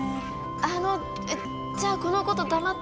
あのえっじゃあこのこと黙ってて。